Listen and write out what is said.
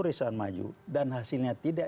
perusahaan maju dan hasilnya tidak